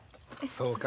そうか。